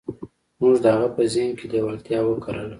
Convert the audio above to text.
موږ د هغه په ذهن کې لېوالتیا وکرله.